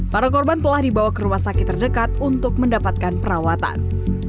para korban telah dibawa ke rumah sakit terdekat untuk mendapatkan perawatan